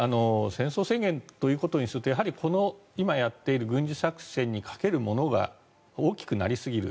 戦争宣言ということにすると今やっている軍事作戦にかけるものが大きくなりすぎる。